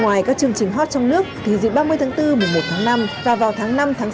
ngoài các chương trình hot trong nước thì dịp ba mươi tháng bốn một mươi một tháng năm và vào tháng năm tháng sáu